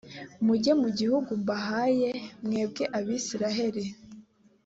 mujye mu gihugu mbahaye, mwebwe abayisraheli.